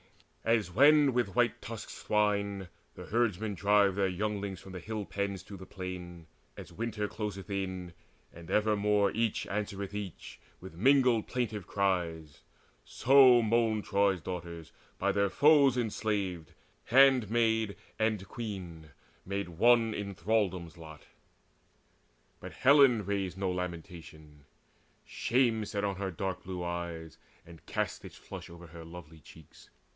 As when with white tusked swine the herdmen drive Their younglings from the hill pens to the plain As winter closeth in, and evermore Each answereth each with mingled plaintive cries; So moaned Troy's daughters by their foes enslaved, Handmaid and queen made one in thraldom's lot. But Helen raised no lamentation: shame Sat on her dark blue eyes, and cast its flush Over her lovely cheeks.